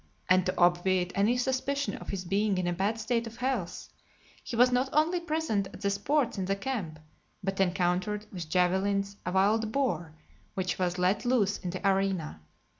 And to obviate any suspicion of his being in a bad state of health, he was not only present at the sports in the camp, but encountered, with javelins, a wild boar, which was let loose in the arena.